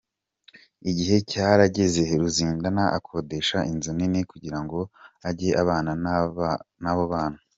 Igihe cyarageze Ruzindana akodesha inzu nini kugira ngo ajye abana n’abo bana.